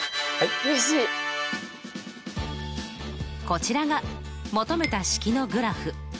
こちらが求めた式のグラフ。